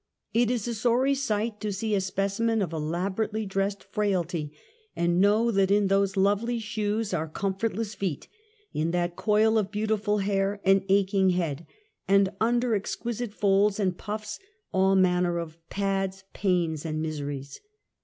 It is a sorry sight to see a specimen of elaborately dressed frailty, and know that in those lovely shoes are comfortless feet, in that coil of beautiful hair an aching head, and under exquisite folds and puffs all manner of pads, pains and miseries.